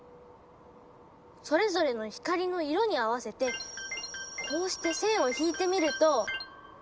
それぞれの光の色に合わせてこうして線を引いてみると。